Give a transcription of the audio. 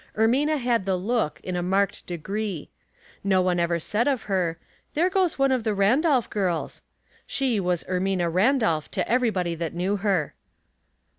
Er mina had the look, in a marked degree. No one ever said of her, " There goes one of the Ran dolph girls.'* She was Ermina Randolph to everybody that knew her.